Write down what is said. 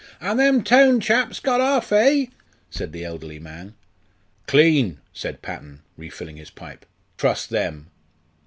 "An' them town chaps got off, eh?" said the elderly man. "Clean!" said Patton, refilling his pipe. "Trust them!"